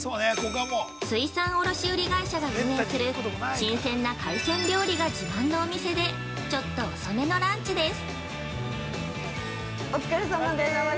◆水産卸売会社が運営する新鮮な海鮮料理自慢のお店でちょっと遅めのランチです。